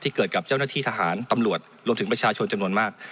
เกิดกับเจ้าหน้าที่ทหารตำรวจรวมถึงประชาชนจำนวนมาก